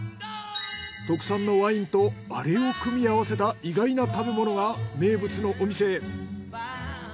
特産のワインとアレを組み合わせた意外な食べ物が名物のお店へ。